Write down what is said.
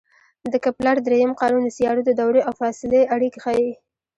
د کپلر درېیم قانون د سیارو د دورې او فاصلې اړیکې ښيي.